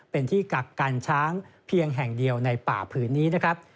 เป็นที่กักกันช้างเพียงแห่งเดียวในป่าผืนนี้นะครับ